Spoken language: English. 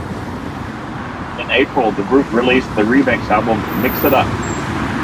In April, the group released the remix album "Mix It Up".